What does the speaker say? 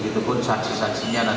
barang buktinya sudah berhasil diamankan